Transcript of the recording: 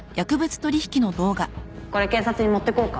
これ警察に持ってこうか？